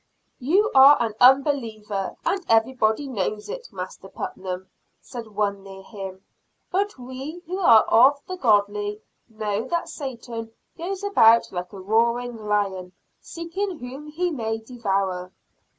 "You are an unbeliever, and everybody knows it, Master Putnam," said one near him. "But we who are of the godly, know that Satan goes about like a roaring lion, seeking whom he may devour."